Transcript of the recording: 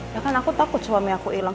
ya kan aku takut suami aku hilang